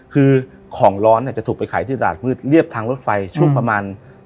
คือของร้อนจะถูกไปขายที่ตลาดมืดเรียบทางรถไฟช่วงประมาณ